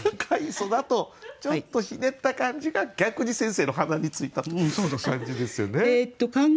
「絵素」だとちょっとひねった感じが逆に先生の鼻についたという感じですよね。